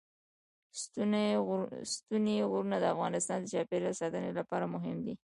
ستوني غرونه د افغانستان د چاپیریال ساتنې لپاره مهم دي.